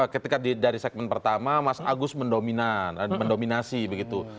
ketika dari segmen pertama mas agus mendominasi begitu